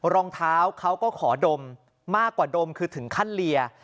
รองเท้าเขาก็ขอดมมากกว่าดมคือถึงขั้นเลีย